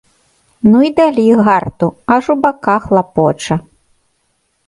Ну й далі гарту, аж у баках лапоча.